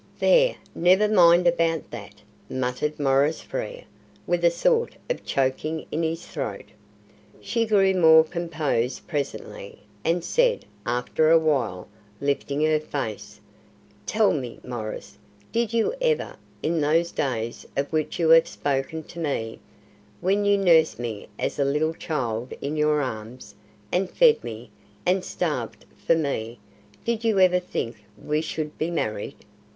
"There, never mind about that," muttered Maurice Frere, with a sort of choking in his throat. She grew more composed presently, and said, after a while, lifting her face, "Tell me, Maurice, did you ever, in those days of which you have spoken to me when you nursed me as a little child in your arms, and fed me, and starved for me did you ever think we should be married?"